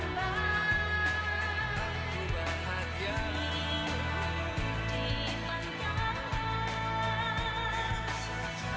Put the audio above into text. tuhan di atasku